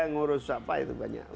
ngurus apa itu banyak